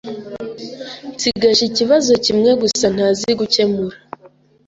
Nsigaje ikibazo kimwe gusa ntazi gukemura.